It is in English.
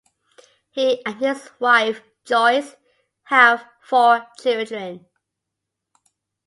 He and his wife Joyce have four children.